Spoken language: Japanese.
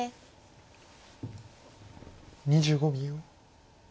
２５秒。